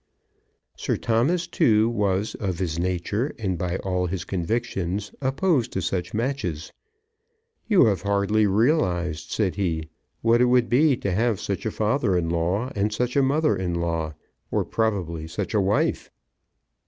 Sir Thomas, too, was of his nature, and by all his convictions, opposed to such matches. "You have hardly realised," said he, "what it would be to have such a father in law and such a mother in law; or probably such a wife."